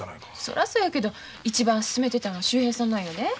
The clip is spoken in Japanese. そらそうやけど一番すすめてたんは秀平さんなんやで。